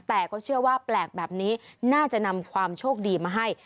แต่ก็เชื่อว่าแปลกแบบนี้น่าจะนำความโชคดีมาให้